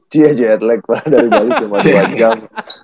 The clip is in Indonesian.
dari bali cuma dua jam